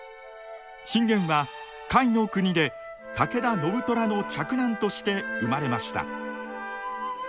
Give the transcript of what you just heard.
信玄は甲斐国で武田信虎の嫡男として生まれました。